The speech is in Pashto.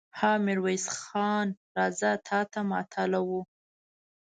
ها! ميرويس خان! راځه، تاته ماتله وو.